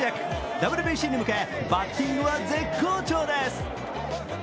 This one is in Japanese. ＷＢＣに向けバッティングは絶好調です。